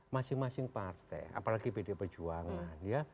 masing masing partai apalagi pd perjuangan ya